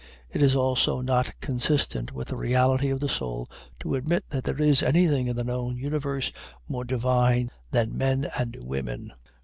It is also not consistent with the reality of the soul to admit that there is anything in the known universe more divine than men and women.